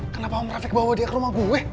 kenapa om raffic bawa dia ke rumah gue